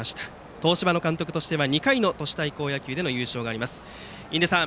東芝の監督としては２回の都市対抗野球での優勝があります。